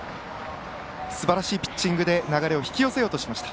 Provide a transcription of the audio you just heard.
すばらしいピッチングで流れを引き寄せようとしました。